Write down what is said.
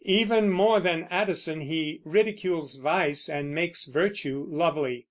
Even more than Addison he ridicules vice and makes virtue lovely.